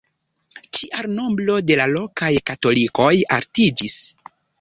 Tial nombro de la lokaj katolikoj altiĝis.